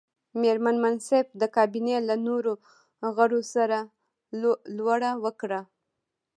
مېرمن منصف د کابینې له نورو غړو سره لوړه وکړه.